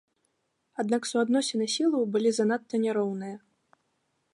Аднак суадносіны сілаў былі занадта няроўныя.